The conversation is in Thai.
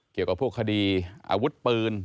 เกี่ยวกับพวกคดีอาวุธปืน